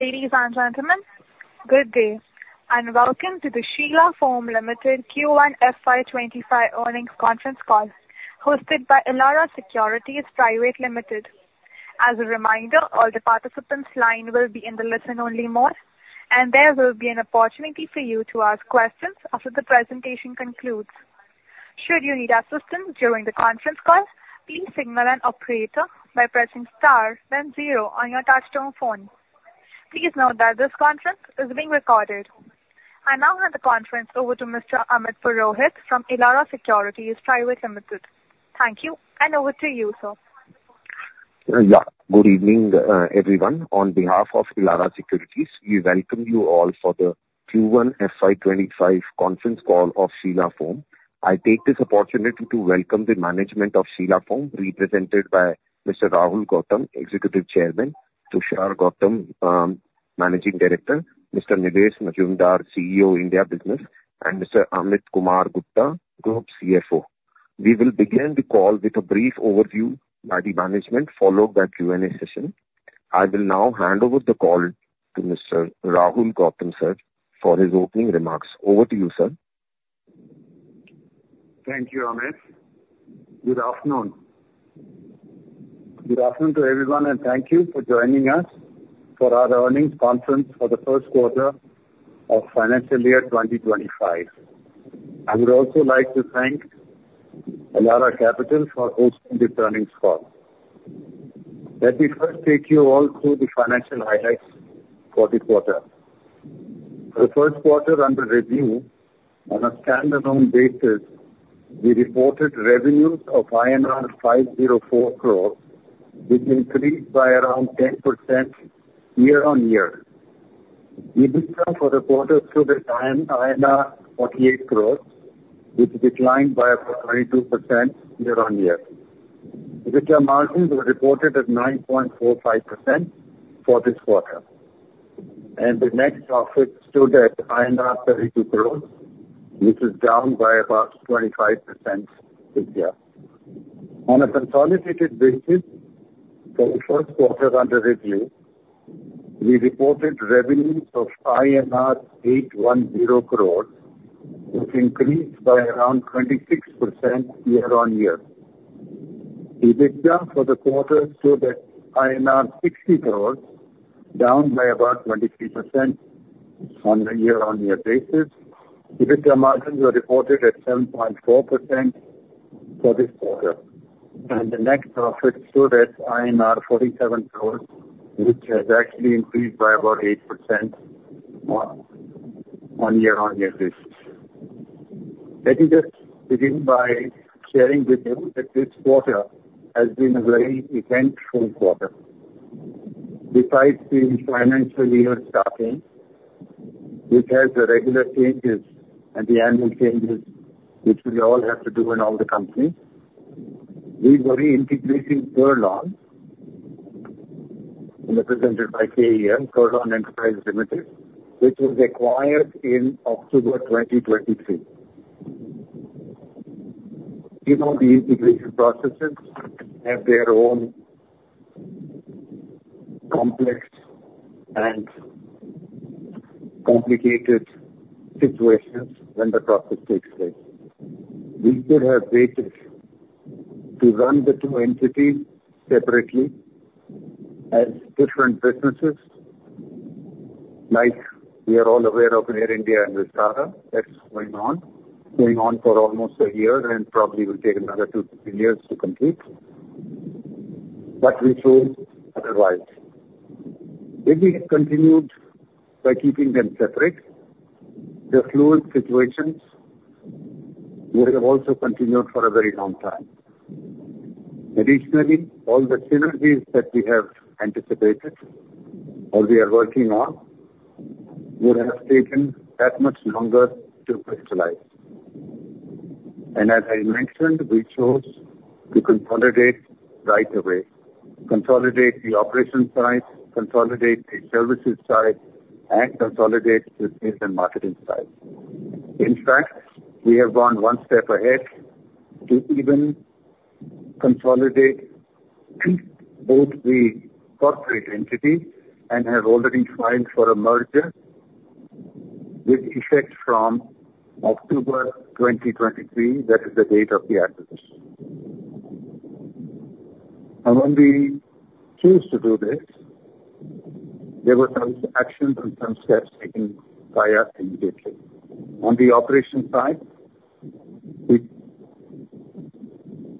Ladies and gentlemen, good day. Welcome to the Sheela Foam Limited Q1 FY25 Earnings Conference Call hosted by Elara Securities Pvt Ltd. As a reminder, all the participants' line will be in the listen-only mode, and there will be an opportunity for you to ask questions after the presentation concludes. Should you need assistance during the conference call, please signal an operator by pressing star then zero on your touchtone phone. Please note that this conference is being recorded. I now hand the conference over to Mr. Amit Purohit from Elara Securities Pvt Ltd. Thank you, and over to you, sir. Yeah, good evening, everyone. On behalf of Elara Securities, we welcome you all for the Q1 FY 2025 conference call of Sheela Foam. I take this opportunity to welcome the management of Sheela Foam, represented by Mr. Rahul Gautam, Executive Chairman, Tushar Gautam, Managing Director, Mr. Nilesh Mazumdar, CEO, India Business, and Mr. Amit Kumar Gupta, Group CFO. We will begin the call with a brief overview by the management, followed by Q&A session. I will now hand over the call to Mr. Rahul Gautam, sir, for his opening remarks. Over to you, sir. Thank you, Amit. Good afternoon. Good afternoon to everyone, and thank you for joining us for our earnings conference for the first quarter of financial year 2025. I would also like to thank Elara Capital for hosting this earnings call. Let me first take you all through the financial highlights for the quarter. For the first quarter under review, on a standalone basis, we reported revenues of INR 504 crore, which increased by around 10% year-on-year. EBITDA for the quarter stood at 48 crore, which declined by about 22% year-on-year. EBITDA margins were reported at 9.45% for this quarter, and the net profit stood at INR 32 crore, which is down by about 25% this year. On a consolidated basis, for the first quarter under review, we reported revenues of INR 810 crore, which increased by around 26% year-on-year. EBITDA for the quarter stood at INR 60 crore, down by about 23% on a year-on-year basis. EBITDA margins were reported at 7.4% for this quarter, and the net profit stood at INR 47 crore, which has actually increased by about 8%, on year-on-year basis. Let me just begin by sharing with you that this quarter has been a very eventful quarter. Besides the financial year starting, which has the regular changes and the annual changes, which we all have to do in all the companies, we've been integrating Kurlon, represented by KEL, Kurlon Enterprise Limited, which was acquired in October 2023. You know, the integration processes have their own complex and complicated situations when the process takes place. We could have waited to run the two entities separately as different businesses, like we are all aware of Air India and Vistara. That's going on, going on for almost a year, and probably will take another two, three years to complete. But we chose otherwise. If we had continued by keeping them separate, the fluid situations would have also continued for a very long time. Additionally, all the synergies that we have anticipated or we are working on would have taken that much longer to crystallize. And as I mentioned, we chose to consolidate right away, consolidate the operations side, consolidate the services side, and consolidate the sales and marketing side. In fact, we have gone one step ahead to even consolidate both the corporate entities and have already filed for a merger with effect from October 2023. That is the date of the acquisition. And when we chose to do this, there were some actions and some steps taken by us immediately. On the operations side,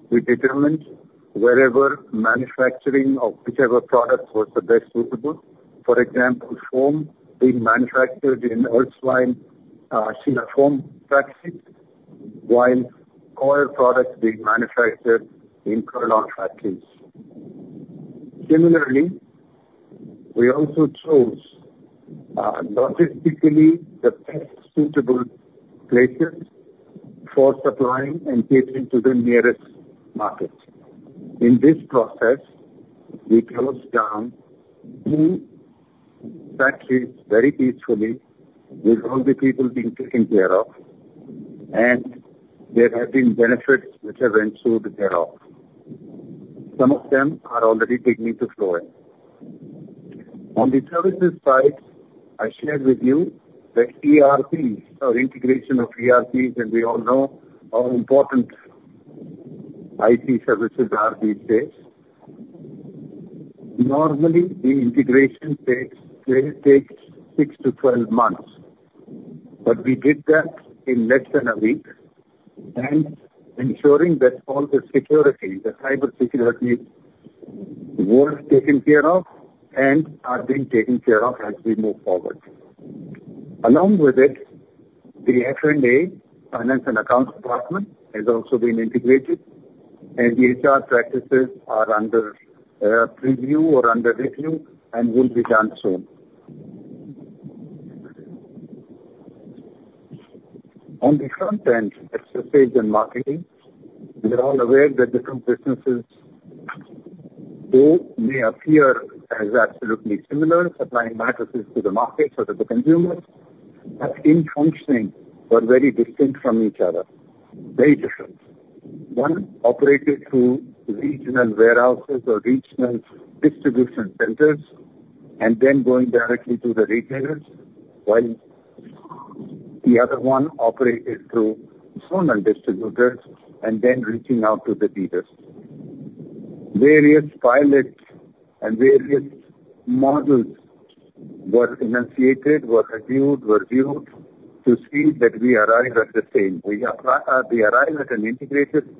we determined wherever manufacturing of whichever product was the best suitable. For example, foam being manufactured in erstwhile, Sheela Foam factories, while coir products being manufactured in Kurlon factories. Similarly, we also chose logistically the best suitable places for supplying and catering to the nearest market. In this process, we closed down two factories very peacefully with all the people being taken care of, and there have been benefits which have ensued thereof. Some of them are already beginning to flow in. On the services side, I shared with you that ERPs, or integration of ERPs, and we all know how important IT services are these days. Normally, the integration takes 6-12 months, but we did that in less than a week, ensuring that all the security, the cybersecurity, was taken care of and has been taken care of as we move forward. Along with it, the F&A, Finance and Accounts department, has also been integrated, and the HR practices are under purview or under review and will be done soon. On the front end, exercises and marketing, we're all aware that the two businesses, though, may appear as absolutely similar, supplying mattresses to the market or to the consumers, but in functioning, they're very distinct from each other, very different. One operated through regional warehouses or regional distribution centers and then going directly to the retailers, while the other one operated through zonal distributors and then reaching out to the dealers. Various pilots and various models were initiated, were reviewed, were viewed to see that we arrive at the same. We arrive at an integrated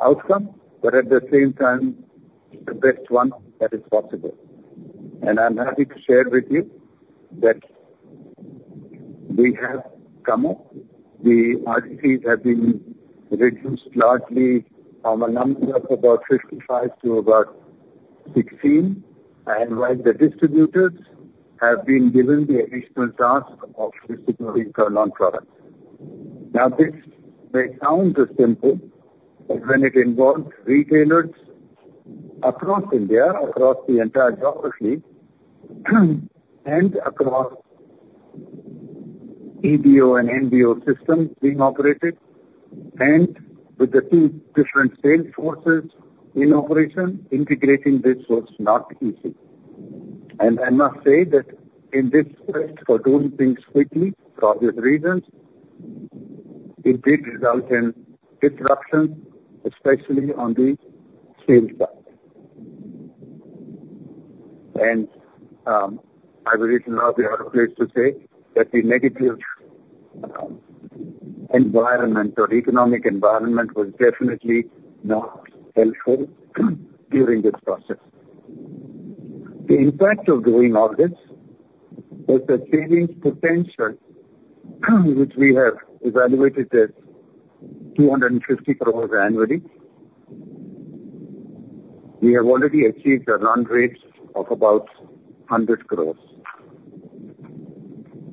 outcome, but at the same time, the best one that is possible. I'm happy to share with you that we have come up. The RDCs have been reduced largely from a number of about 55 to about 16, and while the distributors have been given the additional task of distributing Kurlon products. Now, this may sound as simple, but when it involves retailers across India, across the entire geography, and across EBO and MBO systems being operated, and with the two different sales forces in operation, integrating this was not easy. I must say that in this quest for doing things quickly, for obvious reasons, it did result in disruptions, especially on the sales side. I would even love to add a place to say that the negative environment or economic environment was definitely not helpful during this process. The impact of doing all this was that savings potential, which we have evaluated as INR 250 crore annually, we have already achieved a run rate of about 100 crore.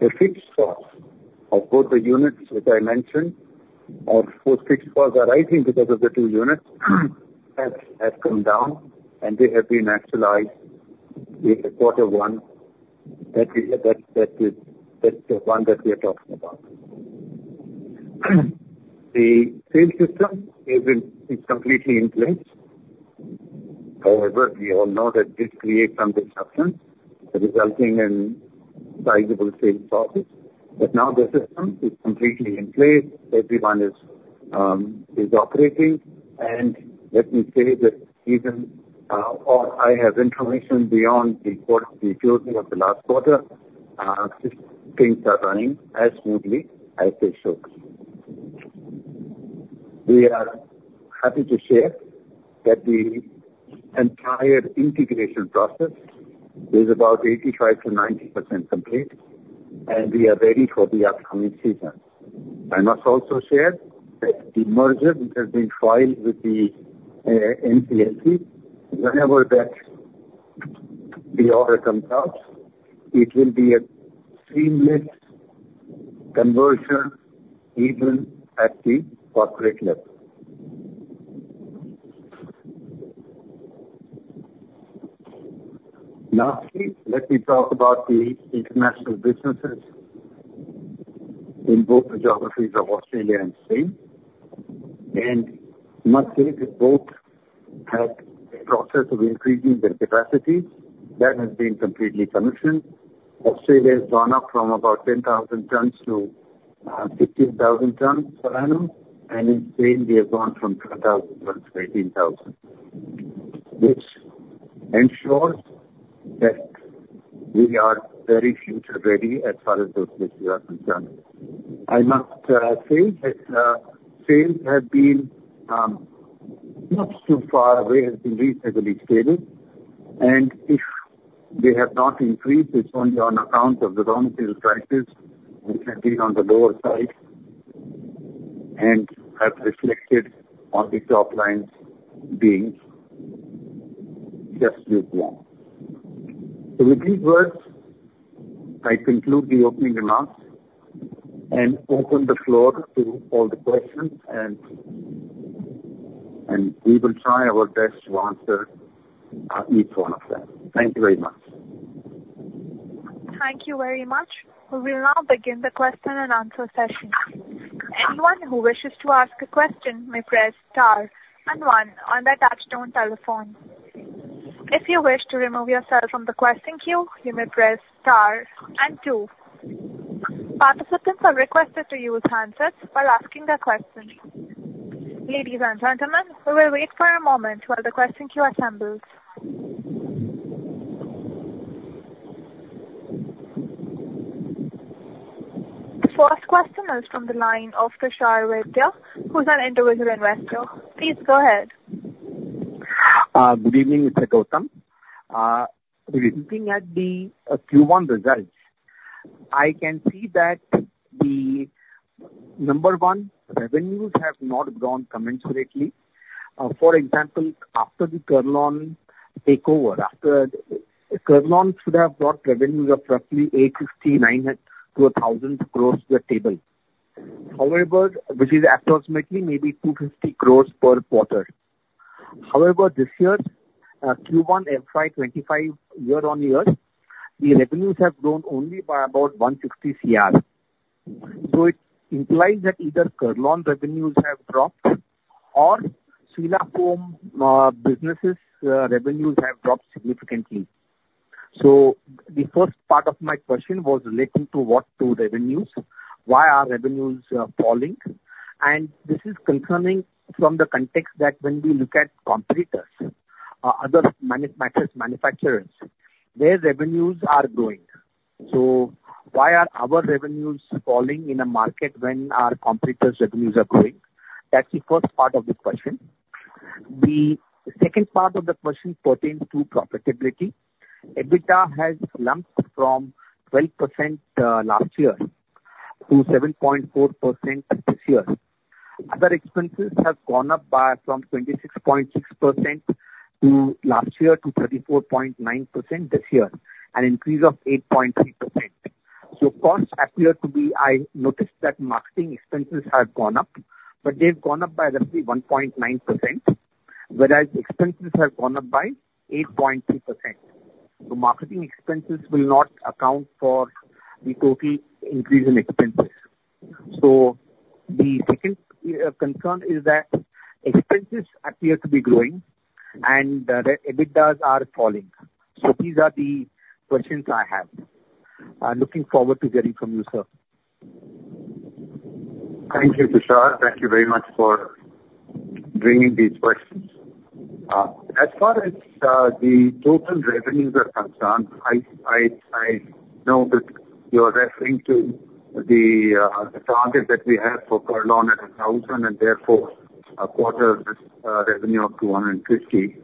The fixed costs of both the units that I mentioned, or the fixed costs arising because of the two units, have come down, and they have been actualized in the quarter one that we are talking about. The sales system is in place. It's completely in place. However, we all know that this creates some disruptions, resulting in sizable sales losses. But now the system is completely in place. Everyone is operating. Let me say that even all the information I have beyond the quarter closing of the last quarter, things are running as smoothly as they should. We are happy to share that the entire integration process is about 85%-90% complete, and we are ready for the upcoming season. I must also share that the merger which has been filed with the NCLT, whenever the order comes out, it will be a seamless conversion even at the corporate level. Lastly, let me talk about the international businesses in both the geographies of Australia and Spain. And I must say that both have a process of increasing their capacities that has been completely commissioned. Australia has gone up from about 10,000 tons-15,000 tons per annum, and in Spain, we have gone from 12,000 tons-18,000, which ensures that we are very future-ready as far as those matters are concerned. I must say that sales have been not too far away have been reasonably stable. And if they have not increased, it's only on account of the raw material prices which have been on the lower side and have reflected on the top lines being just smoothly on. So with these words, I conclude the opening remarks and open the floor to all the questions, and we will try our best to answer each one of them. Thank you very much. Thank you very much. We will now begin the question-and-answer session. Anyone who wishes to ask a question may press star and one on the touch-tone telephone. If you wish to remove yourself from the question queue, you may press star and two. Participants are requested to use handsets while asking their questions. Ladies and gentlemen, we will wait for a moment while the question queue assembles. The first question is from the line of Tushar Vaidya, who's an individual investor. Please go ahead. Good evening. It's Gautam. Looking at the Q1 results, I can see that the number one, revenues have not grown commensurately. For example, after the Kurlon takeover, after Kurlon should have brought revenues of roughly 850-900-INR 1,000 crores to the table. However, which is approximately maybe 250 crores per quarter. However, this year, Q1 FY 2025, year-on-year, the revenues have grown only by about 160 crores. So it implies that either Kurlon revenues have dropped or Sheela Foam businesses revenues have dropped significantly. So the first part of my question was relating to what to revenues, why are revenues falling. And this is concerning from the context that when we look at competitors, other mattress manufacturers, their revenues are growing. So why are our revenues falling in a market when our competitors' revenues are growing? That's the first part of the question. The second part of the question pertains to profitability. EBITDA has jumped from 12% last year to 7.4% this year. Other expenses have gone up from 26.6% last year to 34.9% this year, an increase of 8.3%. So costs appear to be. I noticed that marketing expenses have gone up, but they've gone up by roughly 1.9%, whereas expenses have gone up by 8.3%. So marketing expenses will not account for the total increase in expenses. So the second concern is that expenses appear to be growing, and the EBITDAs are falling. So these are the questions I have. Looking forward to hearing from you, sir. Thank you, Tushar. Thank you very much for bringing these questions. As far as the total revenues are concerned, I know that you are referring to the target that we have for Kurlon at 1,000 and therefore, quarterly revenue of 250.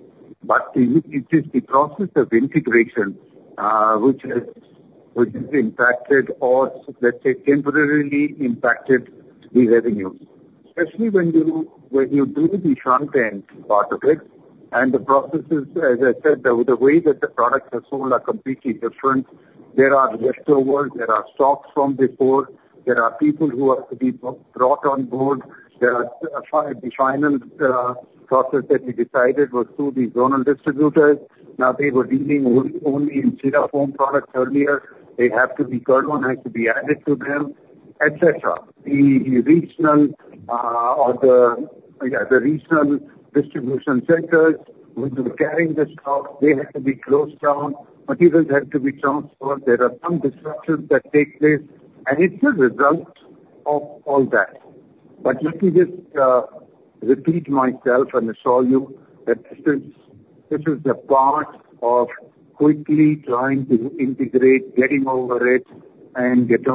But it is the process of integration, which has impacted or, let's say, temporarily impacted the revenues, especially when you do the front end part of it. And the processes, as I said, the way that the products are sold are completely different. There are leftovers. There are stocks from before. There are people who have to be brought on board. There are the final process that we decided was through the zonal distributors. Now, they were dealing only in Sheela Foam products earlier. They have to be. Kurlon has to be added to them, etc. The regional distribution centers which were carrying the stocks, they have to be closed down. Materials have to be transferred. There are some disruptions that take place, and it's a result of all that. But let me just repeat myself and assure you that this is this is a part of quickly trying to integrate, getting over it, and getting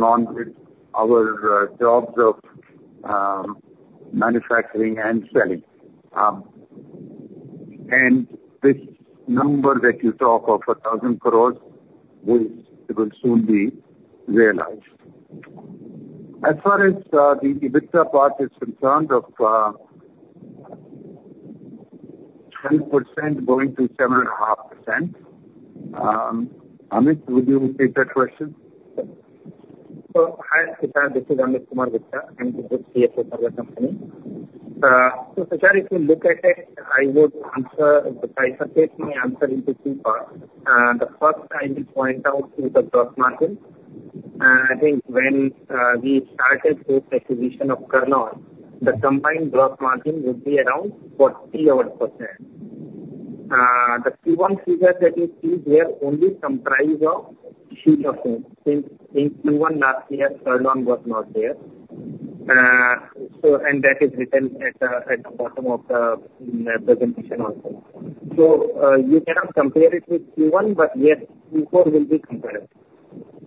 on with our jobs of manufacturing and selling. And this number that you talk of 1,000 crores will, will soon be realized. As far as the EBITDA part is concerned of 12% going to 7.5%, Amit, would you take that question? So, hi, Tushar. This is Amit Kumar Gupta from Sheela Foam. Tushar, if you look at it, I would answer if the time permits, my answer into two parts. The first I will point out is the gross margin. I think when we started this acquisition of Kurlon, the combined gross margin would be around 40%-odd. The Q1 figure that you see here only comprises of Sheela Foam since Q1 last year, Kurlon was not there. So and that is written at the bottom of the presentation also. So, you cannot compare it with Q1, but yes, Q4 will be compared.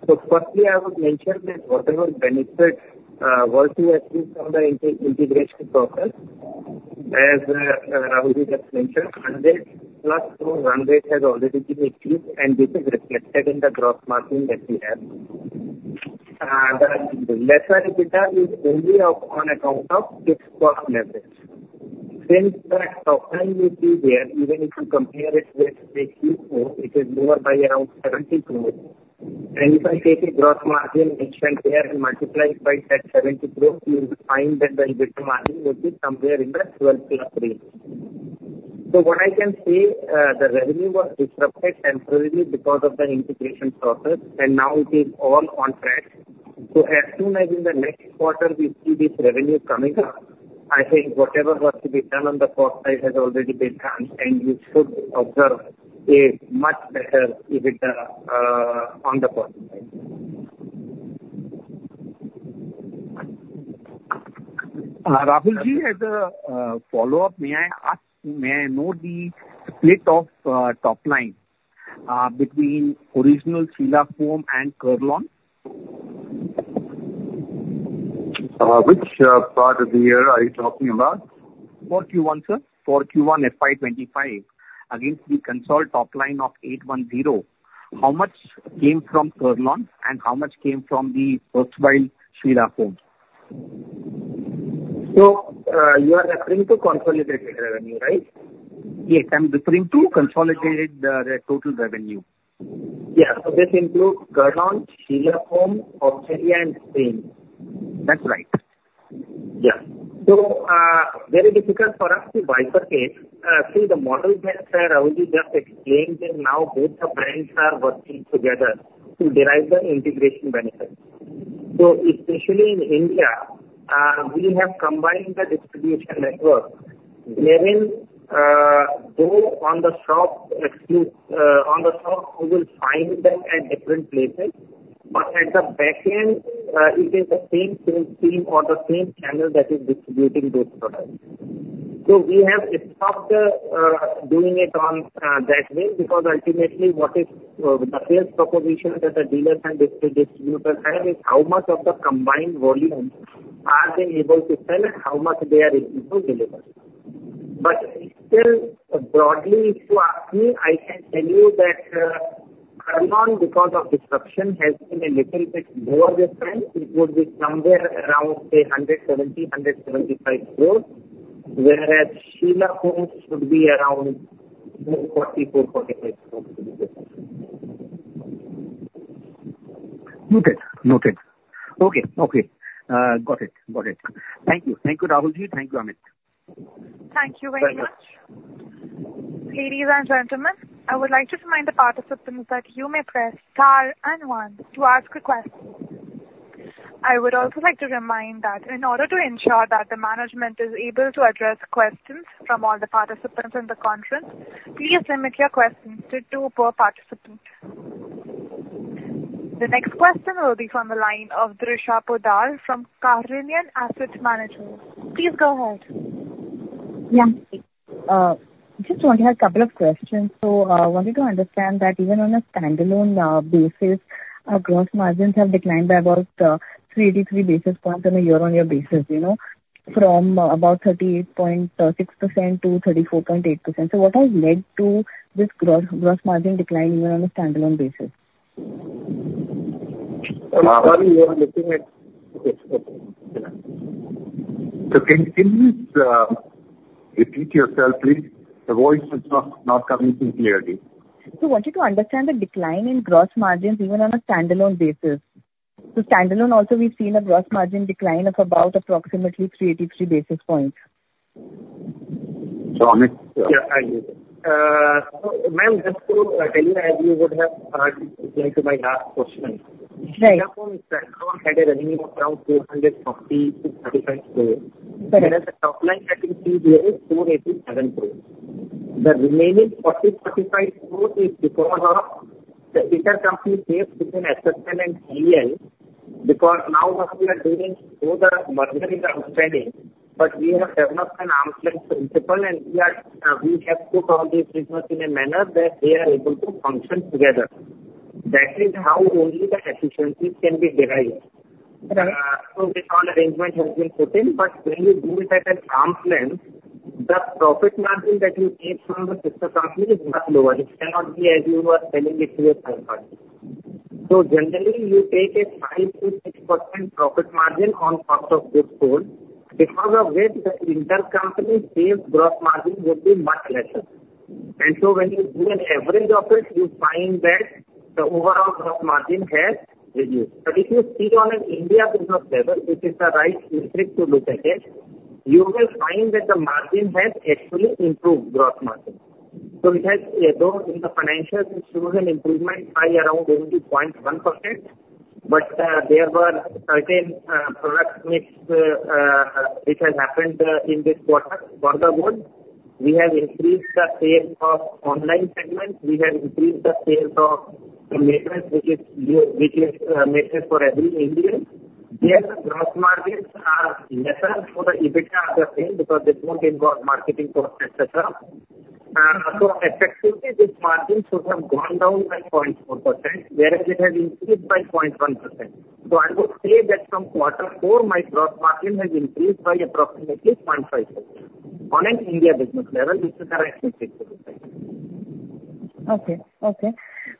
So firstly, I would mention that whatever benefit were to accrue from the integration process, as Ravindra just mentioned, 101 run rate has already been achieved, and this is reflected in the gross margin that we have. The lesser EBITDA is only on account of its cost leverage. Since the top line you see there, even if you compare it with, say, Q4, it is lower by around 70 crore. If I take a gross margin expense there and multiply it by that 70 crore, you will find that the EBITDA margin would be somewhere in the 12%+ range. What I can see, the revenue was disrupted temporarily because of the integration process, and now it is all on track. As soon as in the next quarter we see this revenue coming up, I think whatever was to be done on the cost side has already been done, and you should observe a much better EBITDA, on the cost side. Ravindra, as a follow-up, may I ask, may I know the split of top line between original Sheela Foam and Kurlon? Which part of the year are you talking about? For Q1, sir. For Q1 FY 2025, against the consolidated top line of 810, how much came from Kurlon and how much came from the standalone Sheela Foam? You are referring to consolidated revenue, right? Yes. I'm referring to consolidated, the total revenue. Yeah. So this includes Kurlon, Sheela Foam, Australia, and Spain. That's right. Yeah. So, very difficult for us to bypass it. See, the model that, Rahul just explained, that now both the brands are working together to derive the integration benefits. So especially in India, we have combined the distribution network. Now, if you go to the shop exclusive on the shop, you will find them at different places. But at the back end, it is the same same team or the same channel that is distributing those products. So we have stopped the, doing it on, that way because ultimately, what is, the sales proposition that the dealers and distributors have is how much of the combined volume are they able to sell and how much they are able to deliver. But still, broadly, if you ask me, I can tell you that, Kurlon, because of disruption, has been a little bit lower this time. It would be somewhere around, say, 170-175 crores, whereas Sheela Foam should be around INR 44-INR 45 crores to be disrupted. Noted. Noted. Okay. Okay. Got it. Got it. Thank you. Thank you, Rahul. Thank you, Amit. Thank you very much. Ladies and gentlemen, I would like to remind the participants that you may press star and one to ask a question. I would also like to remind that in order to ensure that the management is able to address questions from all the participants in the conference, please limit your questions to two per participant. The next question will be from the line of Drisha Poddar from Carnelian Asset Management. Please go ahead. Yeah. Just want to ask a couple of questions. So, wanted to understand that even on a standalone basis, gross margins have declined by about 383 basis points on a year-on-year basis, you know, from about 38.6%-34.8%. So what has led to this gross gross margin decline even on a standalone basis? Sorry, you are looking at okay. Okay. So can you repeat yourself, please? The voice is not coming through clearly. Wanted to understand the decline in gross margins even on a standalone basis. Standalone also, we've seen a gross margin decline of about approximately 383 basis points. So, Amit. Yeah. I hear you. So may I just tell you that you would have declined to my last question? Right. Sheela Foam itself had a revenue of around INR 440-INR 445 crore. Correct. Whereas the top line that you see here is INR 487 crores. The remaining INR 40-INR 45 crores is because of the intercompany sales between SFL and TEL because now, of course, we are doing all the margin in the outstanding, but we have developed an arm's-length principle, and we have put all these business in a manner that they are able to function together. That is how only the efficiencies can be derived. Right. This whole arrangement has been put in. When you do it at an arm's-length, the profit margin that you take from the sister company is much lower. It cannot be as you were selling it to a third party. Generally, you take a 5%-6% profit margin on cost of goods sold because of which the intercompany sales gross margin would be much lesser. When you do an average of it, you find that the overall gross margin has reduced. If you see on an India business level, which is the right metric to look at it, you will find that the margin has actually improved gross margin. It has, though in the financials, it shows an improvement by around 80.1%. There were certain product mix, which has happened, in this quarter for the goods. We have increased the sales of online segments. We have increased the sales of the mattress, which is mattress for every Indian. There, the gross margins are lesser for the EBITDA of the sales because this won't involve marketing cost, etc., so effectively, this margin should have gone down by 0.4%, whereas it has increased by 0.1%. So I would say that from quarter four, my gross margin has increased by approximately 0.5% on an India business level. This is the right metric to look at. Okay. Okay.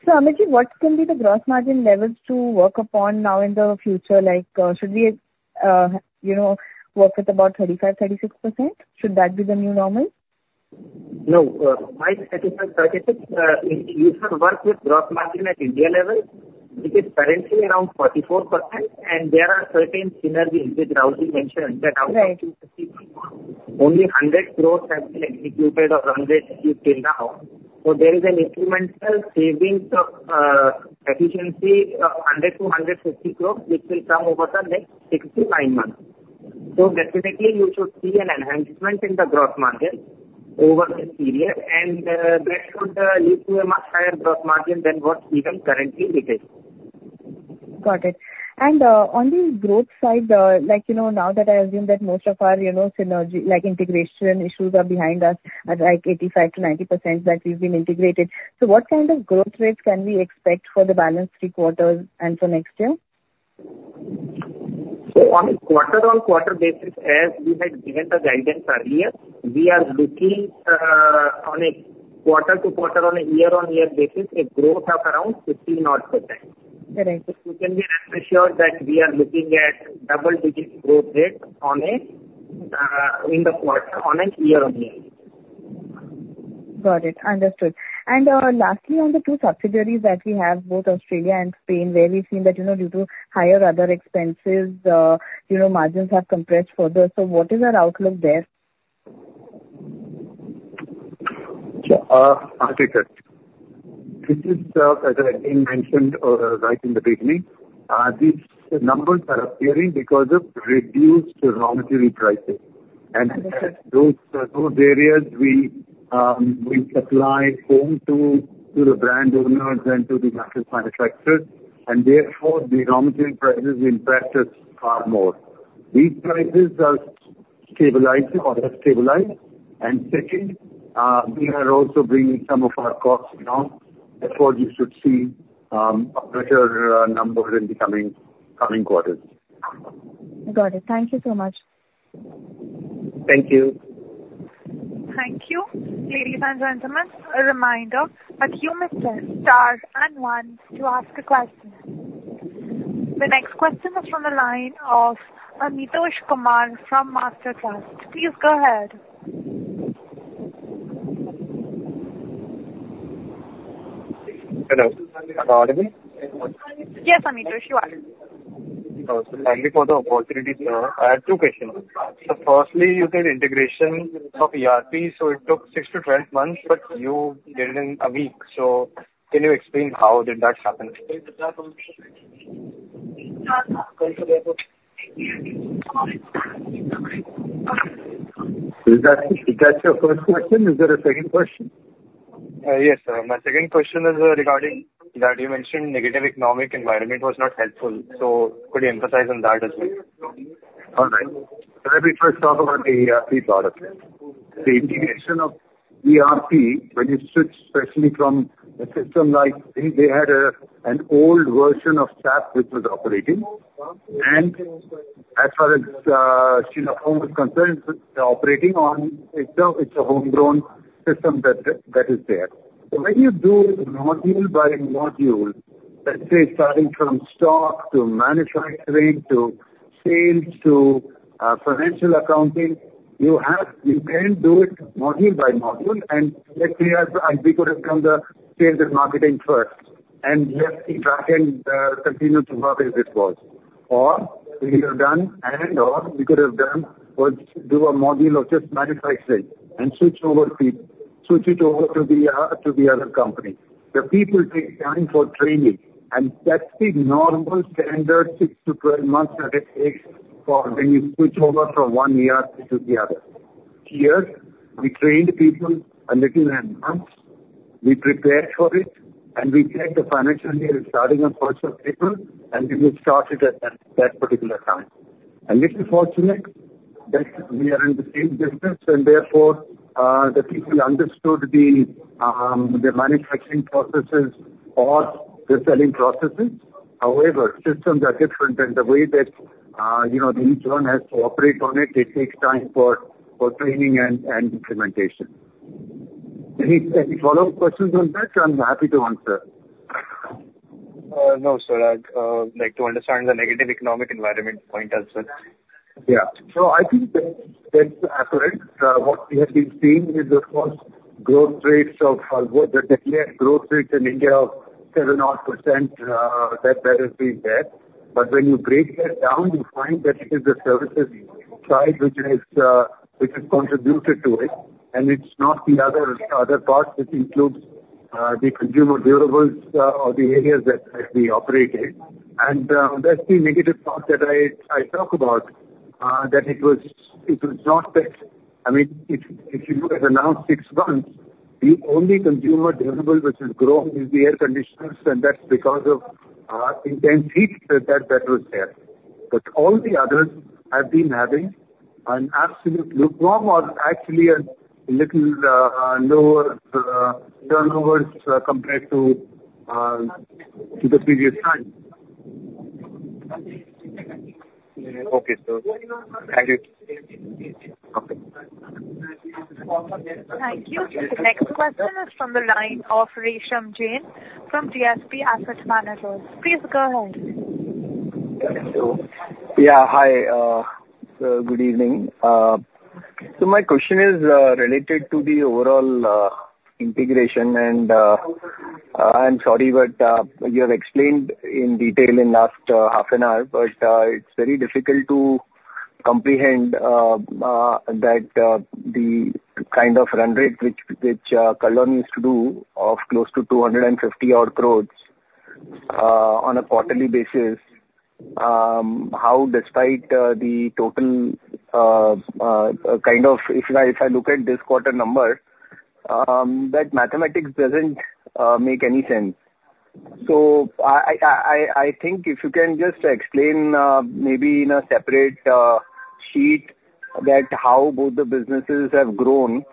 So, Amit ji, what can be the gross margin levels to work upon now in the future? Like, should we, you know, work with about 35%-36%? Should that be the new normal? No, by 35, 36, if you have worked with gross margin at India level, it is currently around 44%, and there are certain synergies which Ravindra mentioned that out of 250 crore, only 100 crore have been executed or under-executed till now. So there is an incremental savings of, efficiency, 100 crore-150 crore, which will come over the next 6-9 months. So definitely, you should see an enhancement in the gross margin over this period, and, that should lead to a much higher gross margin than what even currently it is. Got it. On the growth side, like, you know, now that I assume that most of our, you know, synergy like integration issues are behind us at like 85%-90%, that we've been integrated, so what kind of growth rates can we expect for the balanced three quarters and for next year? So on a quarter-over-quarter basis, as we had given the guidance earlier, we are looking, on a quarter-over-quarter, on a year-over-year basis, a growth of around 15%-odd. Correct. You can be reassured that we are looking at double-digit growth rates in the quarter, on a year-on-year basis. Got it. Understood. Lastly, on the two subsidiaries that we have, both Australia and Spain, where we've seen that, you know, due to higher other expenses, you know, margins have compressed further. What is our outlook there? Sure. Amit ji, this is, as I again mentioned, right in the beginning, these numbers are appearing because of reduced raw material prices. And. Understood. Those areas, we supply foam to the brand owners and to the mattress manufacturers, and therefore, the raw material prices impact us far more. These prices are stabilizing or have stabilized. And second, we are also bringing some of our costs down. Therefore, you should see a better number in the coming quarters. Got it. Thank you so much. Thank you. Thank you. Ladies and gentlemen, a reminder that you may press star and one to ask a question. The next question is from the line of Amitesh Kumar from Master Capital Services. Please go ahead. Hello. Am I audible? Yes, Amitesh. You are. Oh, so thank you for the opportunity, sir. I had two questions. So firstly, you said integration of ERP, so it took 6-12 months, but you did it in a week. So can you explain how did that happen? Is that your first question? Is there a second question? Yes, sir. My second question is, regarding that you mentioned negative economic environment was not helpful. So could you emphasize on that as well? All right. So let me first talk about the ERP product. The integration of ERP, when you switch especially from a system like they had an old version of SAP which was operating. And as far as Sheela Foam is concerned, the operating on itself, it's a homegrown system that is there. So when you do module by module, let's say starting from stock to manufacturing to sales to financial accounting, you can do it module by module. And let's say we could have done the sales and marketing first and left the back end continued to work as it was. Or we could have done was do a module of just manufacturing and switch over people switch it over to the other company. The people take time for training, and that's the normal standard 6-12 months that it takes for when you switch over from one ERP to the other. Here, we trained people a little in months. We prepared for it, and we checked the financial year starting on 1st of April, and we will start it at that, that particular time. A little fortunate that we are in the same business, and therefore, the people understood the, the manufacturing processes or the selling processes. However, systems are different, and the way that, you know, each one has to operate on it, it takes time for, for training and, and implementation. Any, any follow-up questions on that? I'm happy to answer. No, sir. I'd like to understand the negative economic environment point as well. Yeah. So I think that that's accurate. What we have been seeing is, of course, growth rates of what the declared growth rates in India of 7%-odd, that has been there. But when you break that down, you find that it is the services side which has contributed to it, and it's not the other parts which includes the consumer durables, or the areas that we operate in. And that's the negative part that I talk about, that it was not that, I mean, if you look at the last six months, the only consumer durable which has grown is the air conditioners, and that's because of intense heat that was there. But all the others have been having an absolute low or actually a little lower turnovers, compared to the previous time. Okay. So thank you. Okay. Thank you. The next question is from the line of Resham Jain from DSP Asset Managers. Please go ahead. So, yeah. Hi. Good evening. My question is related to the overall integration. And, I'm sorry, but you have explained in detail in the last half hour, but it's very difficult to comprehend that the kind of run rate which Kurlon used to do of close to 250-odd crore on a quarterly basis, how despite the total, kind of if I look at this quarter number, that mathematics doesn't make any sense. So I think if you can just explain, maybe in a separate sheet, how both the businesses have grown,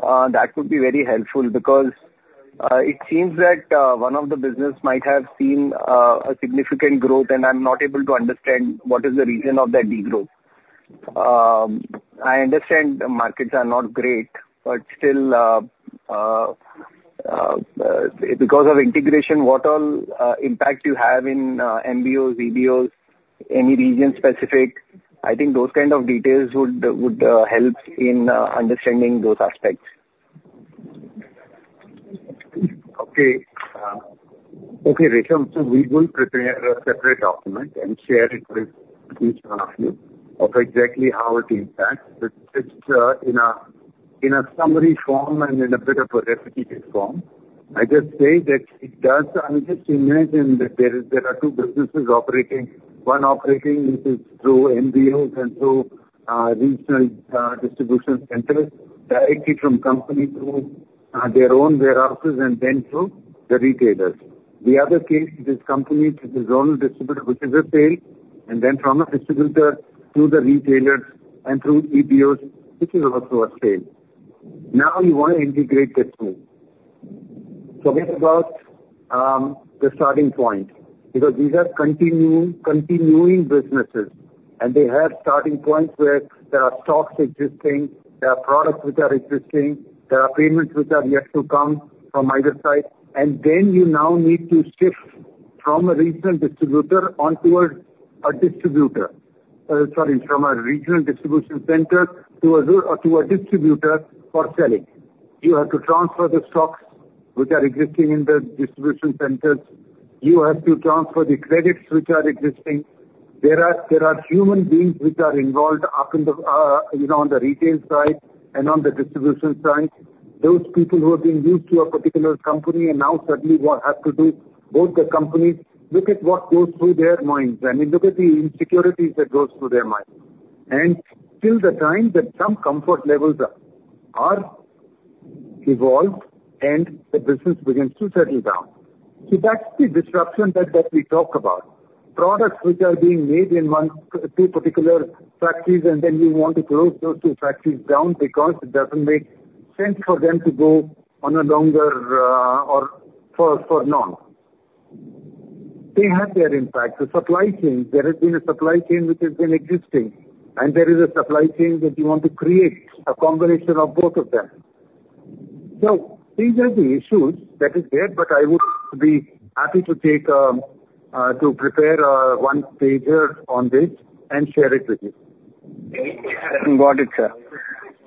that would be very helpful because it seems that one of the businesses might have seen a significant growth, and I'm not able to understand what is the reason of that degrowth. I understand the markets are not great, but still, because of integration, what all impact you have in MBOs, EBOs, any region-specific. I think those kind of details would help in understanding those aspects. Okay. Okay, Resham. So we will prepare a separate document and share it with each one of you of exactly how it impacts. But it's in a summary form and in a bit of a repeated form. I just say that it does. I'll just imagine that there are two businesses operating: one operating through MBOs and through regional distribution centers directly from company to their own warehouses and then through the retailers. The other case, it is company to the zonal distributor, which is a sale, and then from a distributor to the retailers and through EBOs, which is also a sale. Now, you want to integrate the two. So let's talk about the starting point because these are continuing businesses, and they have starting points where there are stocks existing. There are products which are existing. There are payments which are yet to come from either side. Then you now need to shift from a regional distribution center towards a distributor, sorry, from a regional distribution center to a depot or to a distributor for selling. You have to transfer the stocks which are existing in the distribution centers. You have to transfer the credits which are existing. There are human beings which are involved up in the, you know, on the retail side and on the distribution side. Those people who have been used to a particular company and now suddenly what have to do both the companies look at what goes through their minds, and then look at the insecurities that go through their minds. Till the time that some comfort levels are evolved, and the business begins to settle down. So that's the disruption that, that we talk about. Products which are being made in one or two particular factories, and then you want to close those two factories down because it doesn't make sense for them to go on any longer, or for, for long. They have their impact. The supply chain, there has been a supply chain which has been existing, and there is a supply chain that you want to create, a combination of both of them. So these are the issues that is there, but I would be happy to take, to prepare, one-pager on this and share it with you. Got it, sir.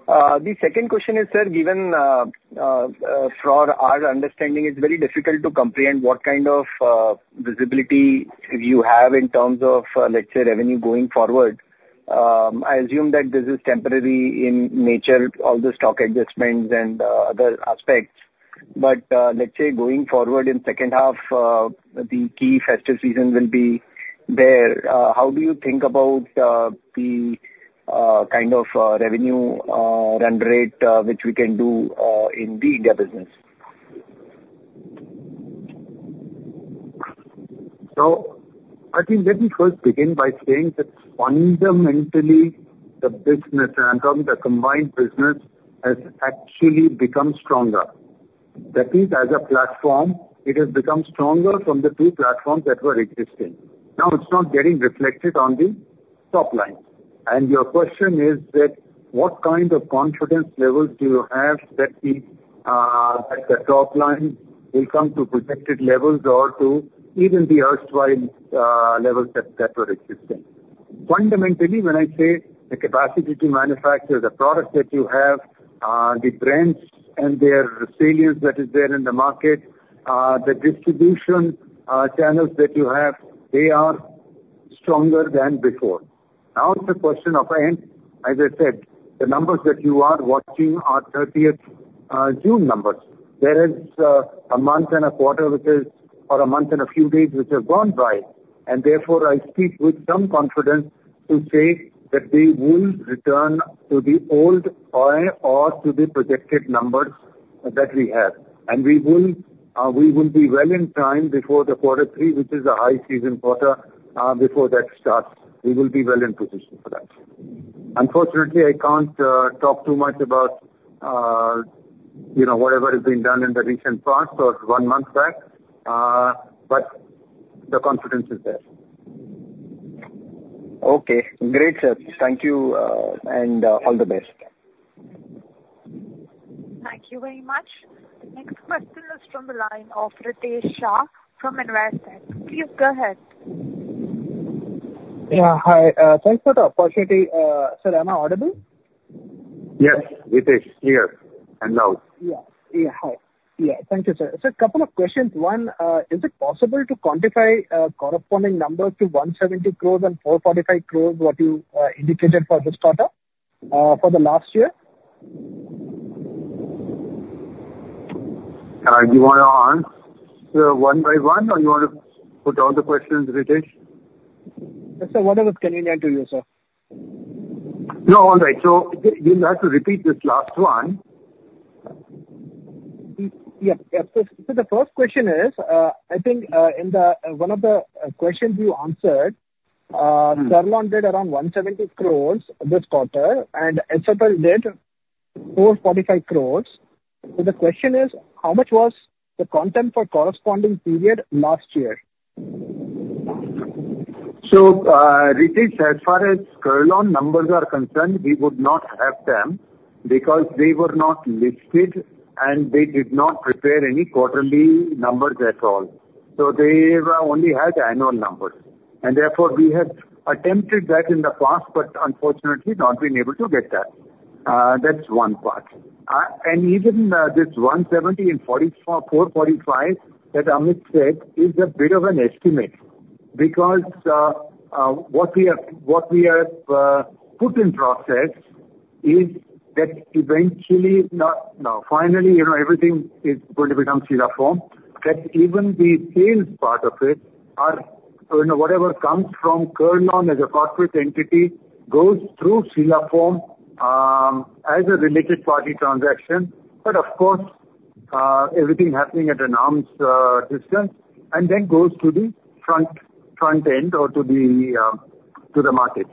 The second question is, sir, given, for our understanding, it's very difficult to comprehend what kind of visibility you have in terms of, let's say, revenue going forward. I assume that this is temporary in nature, all the stock adjustments and other aspects. But, let's say going forward in the second half, the key festive season will be there. How do you think about the kind of revenue run rate which we can do in the India business? So I think let me first begin by saying that fundamentally, the business and I'm talking the combined business has actually become stronger. That is, as a platform, it has become stronger from the two platforms that were existing. Now, it's not getting reflected on the top line. And your question is that what kind of confidence levels do you have that the, that the top line will come to protected levels or to even the erstwhile, levels that, that were existing? Fundamentally, when I say the capacity to manufacture the products that you have, the brands and their resilience that is there in the market, the distribution channels that you have, they are stronger than before. Now, it's a question of and as I said, the numbers that you are watching are 30th June numbers. There is a month and a quarter, which is or a month and a few days, which have gone by. And therefore, I speak with some confidence to say that they will return to the old or or to the projected numbers that we have. And we will, we will be well in time before the quarter three, which is a high-season quarter, before that starts. We will be well in position for that. Unfortunately, I can't talk too much about, you know, whatever has been done in the recent past or one month back, but the confidence is there. Okay. Great, sir. Thank you, and all the best. Thank you very much. The next question is from the line of Ritesh Shah from Investec. Please go ahead. Yeah. Hi. Thanks for the opportunity. Sir, am I audible? Yes, Ritesh. Clear and loud. Yeah. Yeah. Hi. Yeah. Thank you, sir. So, a couple of questions. One, is it possible to quantify corresponding numbers to 170 crore and 445 crore, what you indicated for this quarter, for the last year? Do you want to answer one by one, or you want to put all the questions, Ritesh? Sir, whatever is convenient to you, sir. No. All right. So you'll have to repeat this last one. Yep. So, the first question is, I think, in one of the questions you answered, Kurlon did around 170 crore this quarter, and SFL did 445 crore. So the question is, how much was the contribution for corresponding period last year? So, Ritesh, as far as Kurlon numbers are concerned, we would not have them because they were not listed, and they did not prepare any quarterly numbers at all. So they were only had annual numbers. And therefore, we have attempted that in the past but unfortunately not been able to get that. That's one part. And even, this 170 and 445 that Amit said is a bit of an estimate because, what we have what we have, put in process is that eventually not no, finally, you know, everything is going to become Sheela Foam. That even the sales part of it are you know, whatever comes from Kurlon as a corporate entity goes through Sheela Foam, as a related-party transaction. But of course, everything happening at an arm's length distance and then goes to the front end or to the, to the markets.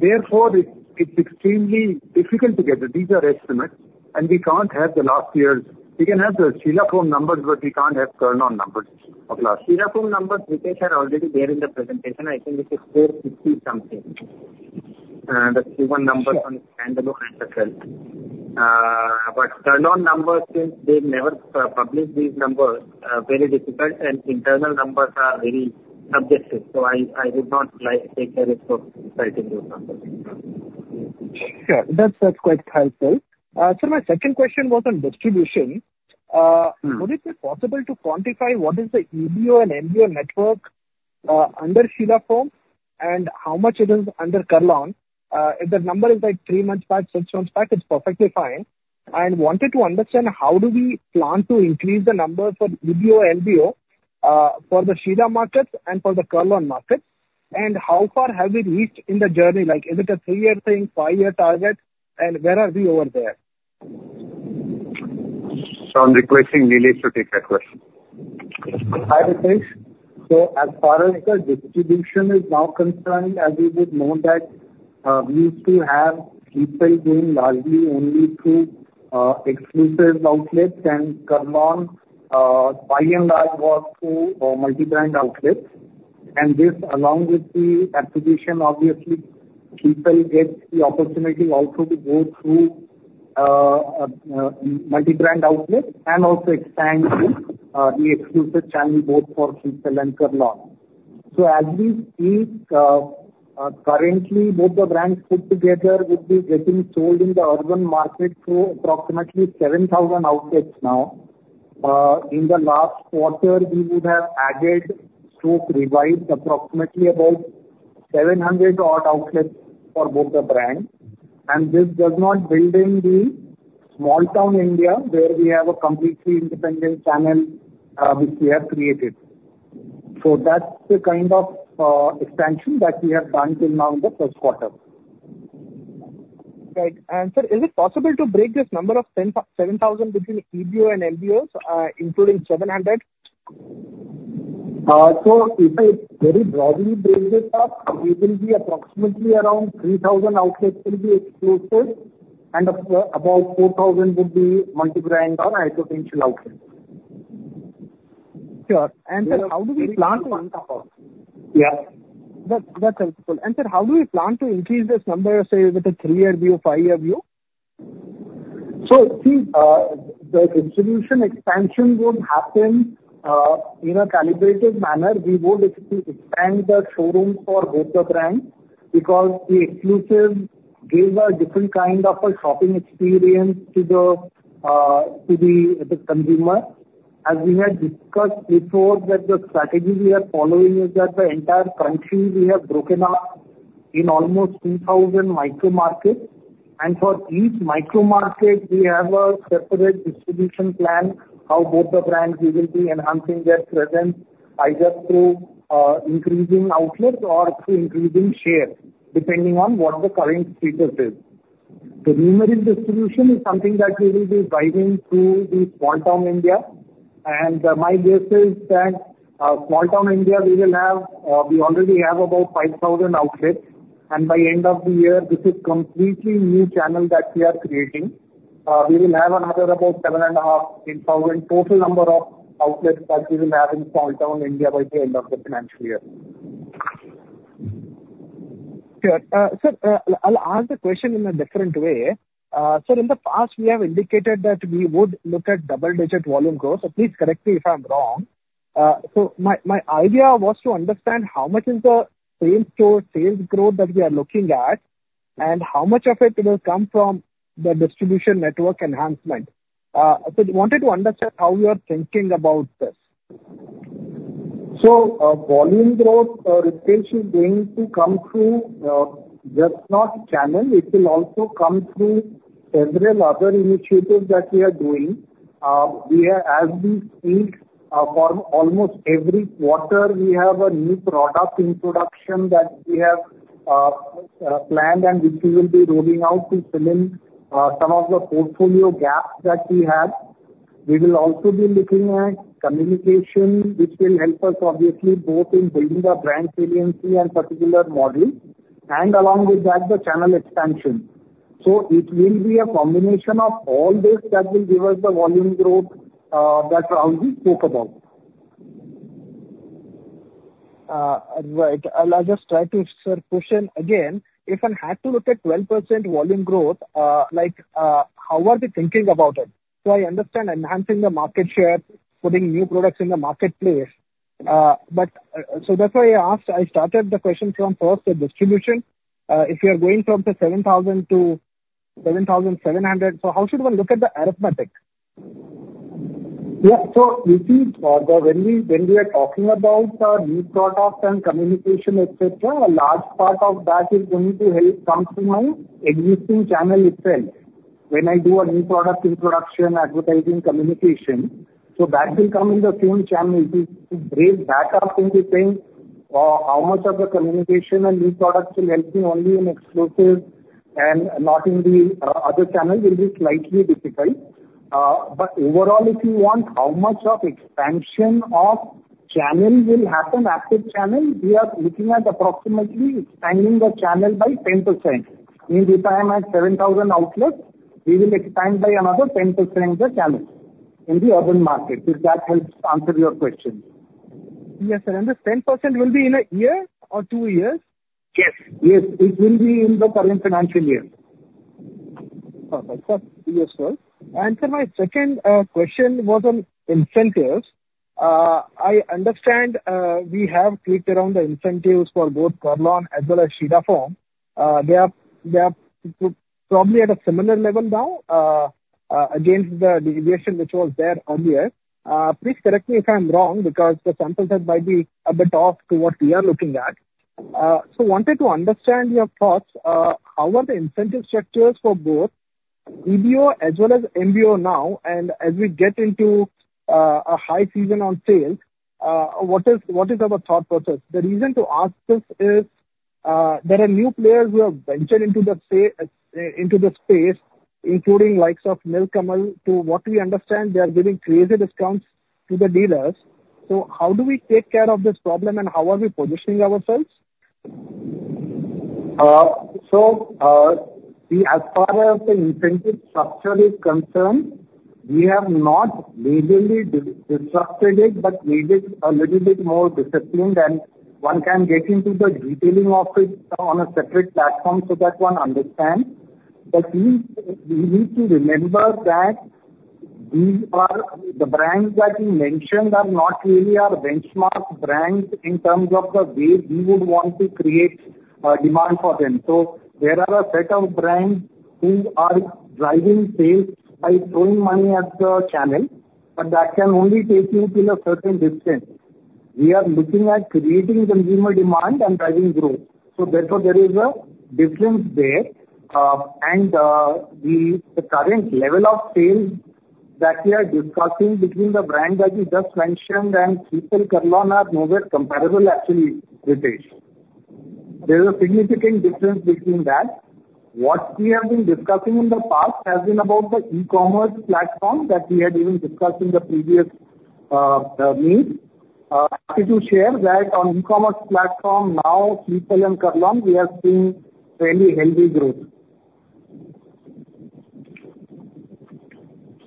Therefore, it's extremely difficult to get them. These are estimates, and we can't have the last year's, we can have the Sheela Foam numbers, but we can't have Kurlon numbers of last year. Sheela Foam numbers, Ritesh had already there in the presentation. I think this is 450-something. And that's the one number from standalone of SFL. But Kurlon numbers, since they've never published these numbers, are very difficult, and internal numbers are very subjective. So I would not like to take the risk of citing those numbers. Yeah. That's quite helpful. Sir, my second question was on distribution. Would it be possible to quantify what is the EBO and MBO network under Sheela Foam and how much it is under Kurlon? If the number is like three months back, six months back, it's perfectly fine. I wanted to understand how do we plan to increase the number for EBO, MBO, for the Sheela markets and for the Kurlon markets, and how far have we reached in the journey? Like, is it a three-year thing, five-year target, and where are we over there? I'm requesting Nilesh to take that question. Hi, Ritesh. So as far as the distribution is now concerned, as you would know that, we used to have people going largely only through exclusive outlets, and Kurlon, by and large, was through multi-brand outlets. And this, along with the acquisition, obviously, people get the opportunity also to go through multi-brand outlets and also expand to the exclusive channel both for Sleepwell and Kurlon. So as we see, currently, both the brands put together would be getting sold in the urban market through approximately 7,000 outlets now. In the last quarter, we would have added, stroke revised, approximately about 700-odd outlets for both the brands. And this does not build in the small-town India where we have a completely independent channel, which we have created. So that's the kind of expansion that we have done till now in the first quarter. Right. And sir, is it possible to break this number of 10,000 7,000 between EBO and MBOs, including 700? If I very broadly break this up, it will be approximately around 3,000 outlets will be exclusive, and about 4,000 would be multi-brand or high-potential outlets. Sure. And sir, how do we plan to? That's helpful. Yeah. That's, that's helpful. And sir, how do we plan to increase this number, say, with a three-year view, five-year view? So see, the distribution expansion would happen, in a calibrated manner. We would expand the showrooms for both the brands because the exclusive gives a different kind of a shopping experience to the consumer. As we had discussed before, that the strategy we are following is that the entire country, we have broken up in almost 2,000 micromarkets. And for each micromarket, we have a separate distribution plan how both the brands will be enhancing their presence, either through increasing outlets or through increasing share, depending on what the current status is. The numeric distribution is something that we will be driving through the small-town India. And, my guess is that, small-town India, we already have about 5,000 outlets. And by end of the year, this is completely new channel that we are creating. We will have another about 7,500-8,000 total number of outlets that we will have in small-town India by the end of the financial year. Sure. Sir, I'll ask the question in a different way. Sir, in the past, we have indicated that we would look at double-digit volume growth. So please correct me if I'm wrong. So my, my idea was to understand how much is the same store sales growth that we are looking at and how much of it will come from the distribution network enhancement. So I wanted to understand how you are thinking about this. So, volume growth, Ritesh, is going to come through, just not channel. It will also come through several other initiatives that we are doing. We have, as we speak, for almost every quarter, we have a new product introduction that we have planned and which we will be rolling out to fill in some of the portfolio gaps that we have. We will also be looking at communication, which will help us, obviously, both in building the brand saliency and particular models, and along with that, the channel expansion. So it will be a combination of all this that will give us the volume growth that we spoke about. Right. I'll just try to, sir, push in. Again, if I had to look at 12% volume growth, like, how are they thinking about it? So I understand enhancing the market share, putting new products in the marketplace. But, so that's why I asked I started the question from first, the distribution. If you are going from the 7,000-7,700, so how should one look at the arithmetic? Yeah. So you see, [Farga], when we are talking about new products and communication, etc., a large part of that is going to help come through my existing channel itself when I do a new product introduction, advertising, communication. So that will come in the same channel. To break that up into saying how much of the communication and new products will help me only in exclusive and not in the other channel will be slightly difficult. But overall, if you want, how much of expansion of channel will happen after channel, we are looking at approximately expanding the channel by 10%. Meaning, if I am at 7,000 outlets, we will expand by another 10% the channel in the urban market. If that helps answer your question. Yes, sir. And this 10% will be in a year or two years? Yes. Yes. It will be in the current financial year. Perfect, sir. Yes, sir. And sir, my second question was on incentives. I understand, we have clicked around the incentives for both Kurlon as well as Sheela Foam. They are, they are probably at a similar level now, against the deviation which was there earlier. Please correct me if I'm wrong because the samples that might be a bit off to what we are looking at. So I wanted to understand your thoughts. How are the incentive structures for both EBO as well as MBO now? And as we get into a high season on sales, what is, what is our thought process? The reason to ask this is, there are new players who have ventured into the same space, including likes of Nilkamal. From what we understand, they are giving crazy discounts to the dealers. How do we take care of this problem, and how are we positioning ourselves? So, see, as far as the incentive structure is concerned, we have not majorly disrupted it but made it a little bit more disciplined. One can get into the detailing of it on a separate platform so that one understands. We need to remember that these are the brands that you mentioned are not really our benchmark brands in terms of the way we would want to create demand for them. There are a set of brands who are driving sales by throwing money at the channel, but that can only take you till a certain distance. We are looking at creating consumer demand and driving growth. Therefore, there is a difference there. The current level of sales that we are discussing between the brand that you just mentioned and Sleepwell and Kurlon are nowhere comparable, actually, Ritesh. There is a significant difference between that. What we have been discussing in the past has been about the e-commerce platform that we had even discussed in the previous meeting. I have to share that on e-commerce platform now, Sleepwell and Kurlon, we have seen fairly healthy growth.